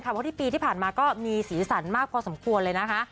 เพราะที่ปีที่ผ่านมาก็มีสีสันมากพอสมควรเลยนะคะ